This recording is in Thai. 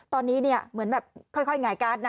ตอนนี้เนี่ยเหมือนแบบค่อยหงายการ์ดนะ